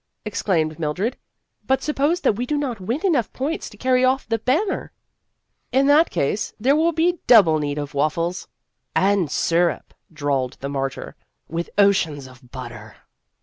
exclaimed Mildred; "but sup pose that we do not win enough points to carry off the banner ?" "In that case, there will be double need of waffles." "And syrup," drawled the martyr, " with oceans of butter."